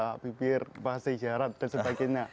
pada bibir bahasa isyarat dan sebagainya